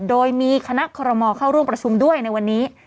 โดยมีคณะคอรมอลเข้าร่วมประชุมด้วยในวันนี้